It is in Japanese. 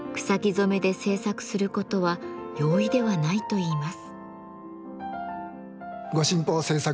染めで制作することは容易ではないといいます。